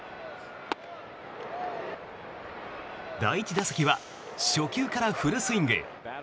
第１打席は初球からフルスイング。